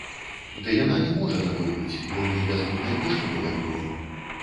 Ды яна не можа такой быць, бо мы без мытнай пошліны гандлюем.